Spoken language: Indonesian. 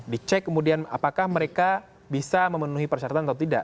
dicek kemudian apakah mereka bisa memenuhi persyaratan atau tidak